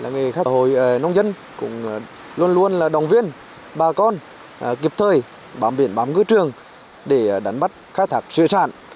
nghề khách hội nông dân luôn luôn đồng viên bà con kịp thời bám biển bám ngứa trường để đánh bắt khai thạc xuyên sản